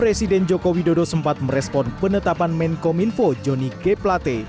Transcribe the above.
presiden joko widodo sempat merespon penetapan menkom info joni g plate